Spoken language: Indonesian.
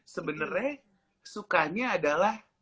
sebenernya sukanya adalah